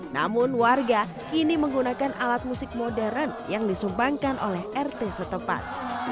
namun warga kini menggunakan alat musik modern yang disumbangkan oleh rt setempat